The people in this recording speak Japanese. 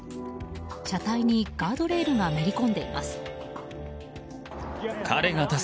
車体にガードレールがめり込んでいます。